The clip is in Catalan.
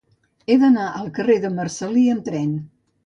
He d'anar al carrer de Marcel·lí amb tren.